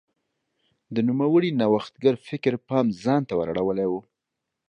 د نوموړي نوښتګر فکر پام ځان ته ور اړولی و.